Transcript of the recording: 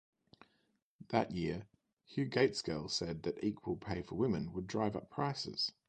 That year Hugh Gaitskell said that equal pay for women would drive up prices.